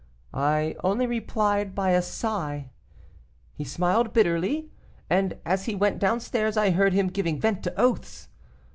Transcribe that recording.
I only replied by a sigh. He smiled bitterly, and as he went down stairs I heard him giving vent to oaths.